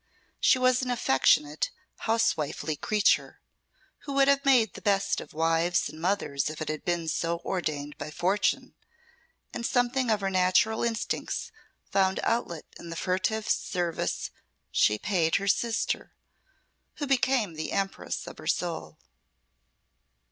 She was an affectionate, house wifely creature, who would have made the best of wives and mothers if it had been so ordained by Fortune, and something of her natural instincts found outlet in the furtive service she paid her sister, who became the empress of her soul.